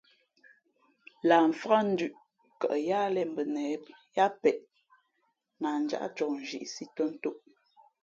Lah mfák ndʉ̄p kαʼ yáhlēh mbα nehē yáá peʼ nah njáʼ coh nzhīʼsī tᾱ ntōʼ.